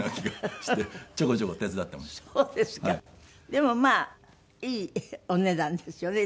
でもまあいいお値段ですよね